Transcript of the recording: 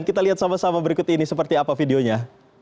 kita lihat sama sama berikut ini seperti apa videonya